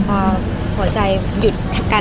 ภาษาสนิทยาลัยสุดท้าย